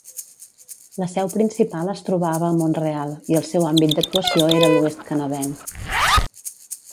La seu principal es trobava a Mont-real i el seu àmbit d'actuació era l'oest canadenc.